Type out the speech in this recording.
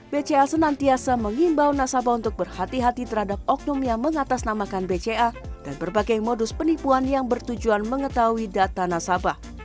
bca senantiasa mengimbau nasabah untuk berhati hati terhadap oknum yang mengatasnamakan bca dan berbagai modus penipuan yang bertujuan mengetahui data nasabah